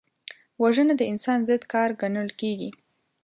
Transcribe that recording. وژنه د انسان ضد کار ګڼل کېږي